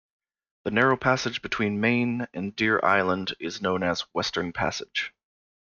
The narrow passage between Maine and Deer Island is known as Western Passage.